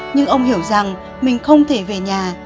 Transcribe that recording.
nhưng ông hiểu rằng mình không thể về nhà